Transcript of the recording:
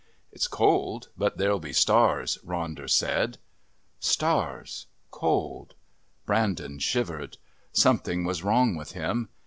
"It's cold, but there'll be stars," Ronder said. Stars. Cold. Brandon shivered. Something was wrong with him.